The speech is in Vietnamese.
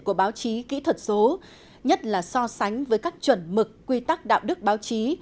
của báo chí kỹ thuật số nhất là so sánh với các chuẩn mực quy tắc đạo đức báo chí